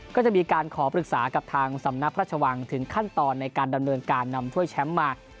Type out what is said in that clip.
ก็จะมีการขอปรึกษากับทางสำนักพระราชวังถึงขั้นตอนในการดำเนินการนำถ้วยแชมป์มา